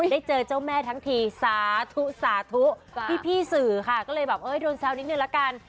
ได้เจอเจ้าแม่ทั้งทีสาธุสาธุพี่สื่อค่ะก็เลยแบบเอ้ยโดนแซวนิดนึงละกัน